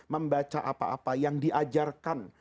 membaca apa apa yang diajarkan